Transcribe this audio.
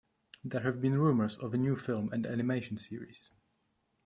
There have been rumors of a new film and animation series.